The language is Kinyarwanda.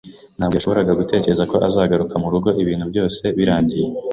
Ntabwo yashoboraga gutekereza ko azagaruka murugo ibintu byose birangiye.